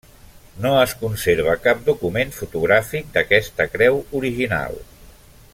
No es conserva cap document fotogràfic d'aquesta creu original.